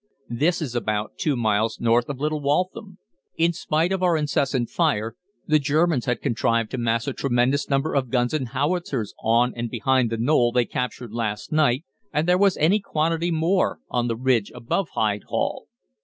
This is about two miles north of Little Waltham. In spite of our incessant fire, the Germans had contrived to mass a tremendous number of guns and howitzers on and behind the knoll they captured last night, and there was any quantity more on the ridge above Hyde Hall.